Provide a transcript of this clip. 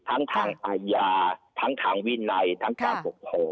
ทั้งทางอาญาทั้งทางวินัยทั้งการปกครอง